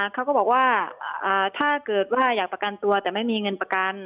เขาก็บอกว่าถ้าเกิดว่าอยากประกันตัวแต่ไม่มีเงินประกัน